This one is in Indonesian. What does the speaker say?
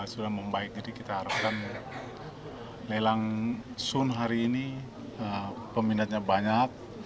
sudah membaik jadi kita harapkan lelang sun hari ini peminatnya banyak